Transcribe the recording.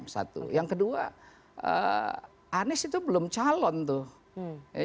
satu yang kedua anies itu belum calon tuh